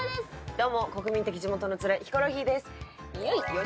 どうも、国民的地元のツレヒコロヒーです！